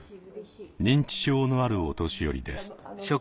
認知症のあるお年寄りです。